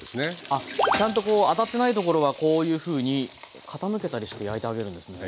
あっちゃんとこう当たってないところはこういうふうに傾けたりして焼いてあげるんですね。